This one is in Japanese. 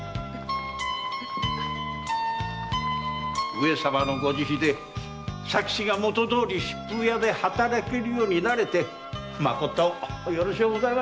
上様の御慈悲で佐吉が元どおり“しっぷう屋”で働けるようになれてまことよろしゅうございましたな。